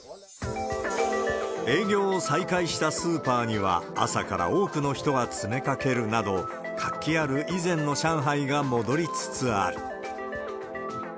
営業を再開したスーパーには、朝から多くの人が詰めかけるなど、活気ある以前の上海が戻りつつある。